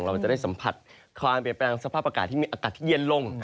เราจะได้สัมผัสอากาศที่มีอากาศที่เย็นลง